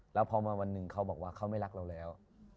แล้วพอมาวันหนึ่งเขาบอกว่าเขาไม่รักเราแล้ว